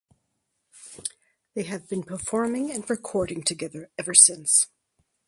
They have been performing and recording together ever since.